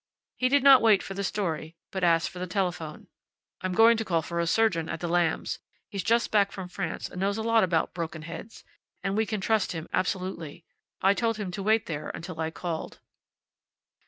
He did not wait for the story, but asked for the telephone. "I'm going to call for a surgeon at the Lambs. He's just back from France and knows a lot about broken heads. And we can trust him absolutely. I told him to wait there until I called."